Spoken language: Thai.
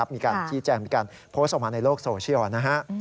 มีการชี้แจงมีการโพสต์ออกมาในโลกโซเชียลนะฮะ